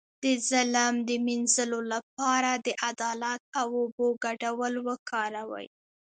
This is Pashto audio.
د ظلم د مینځلو لپاره د عدالت او اوبو ګډول وکاروئ